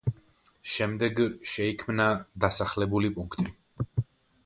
შემდეგ შეიქმნა დასახლებული პუნქტი.